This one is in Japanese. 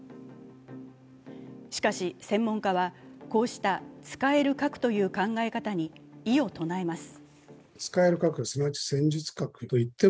しかし、専門家はこうした使える核という考え方に異を唱えます。